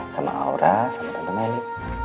sama aura sama tante meli